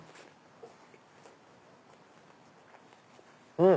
うん！